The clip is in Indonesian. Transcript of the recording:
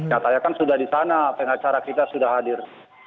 katanya kan sudah di sana pengacara kita sudah hadir